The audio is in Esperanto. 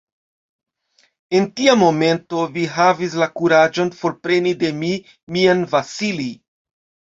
En tia momento vi havis la kuraĝon forpreni de mi mian Vasili!